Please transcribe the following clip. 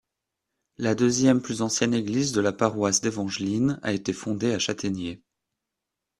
La deuxième plus ancienne église de la paroisse d'Evangeline a été fondée à Chataignier.